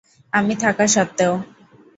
আমি থাকা সত্বেও।